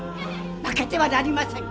負けてはなりません。